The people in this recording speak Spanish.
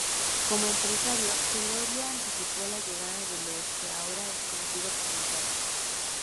Como empresario, Celorio anticipó la llegada de lo que ahora es conocido como internet.